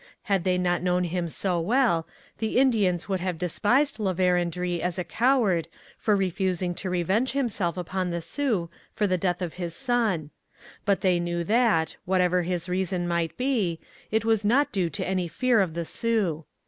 Had they not known him so well, the Indians would have despised La Vérendrye as a coward for refusing to revenge himself upon the Sioux for the death of his son; but they knew that, whatever his reason might be, it was not due to any fear of the Sioux.